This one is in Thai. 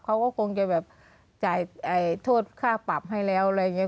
เขาก็คงจะแบบจ่ายโทษค่าปรับให้แล้วอะไรอย่างนี้